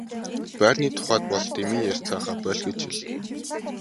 Байрны тухайд бол дэмий ярьцгаахаа боль гэж хэл.